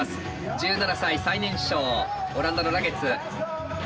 １７歳最年少オランダのラゲッズ。